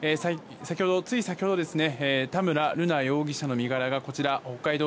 つい先ほど田村瑠奈容疑者の身柄がこちら、北海道